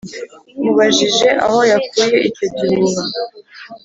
mubajije aho yakuye icyo gihuha,